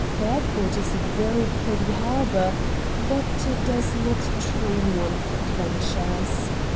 Fairport is a very pretty harbor, but it does not train one for adventures.